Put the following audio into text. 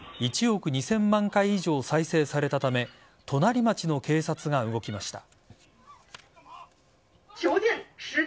１億２０００万回以上再生されたため隣町の警察が動きました。